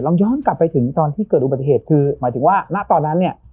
ย้อนกลับไปถึงตอนที่เกิดอุบัติเหตุคือหมายถึงว่าณตอนนั้นเนี่ย